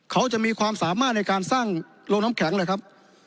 เขาจะมีความสามารถในการสร้างโรงน้ำแข็งเลยครับ